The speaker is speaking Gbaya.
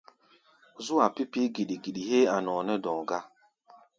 Zú-a pi̧ pi̧í̧ giɗi-giɗi héé a̧ nɔɔ nɛ́ dɔ̧ɔ̧ gá.